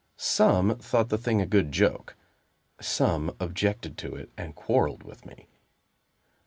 Some thought the thing a good joke; some objected to it, and quarreled with me.